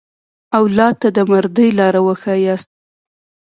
اولاد ته د مردۍ لاره وښیاست.